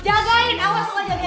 jagain awal awal jagain